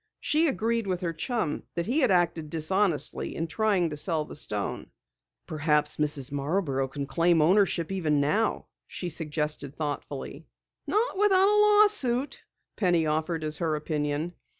She agreed with her chum that he had acted dishonestly in trying to sell the stone. "Perhaps Mrs. Marborough can claim ownership even now," she suggested thoughtfully. "Not without a lawsuit," Penny offered as her opinion.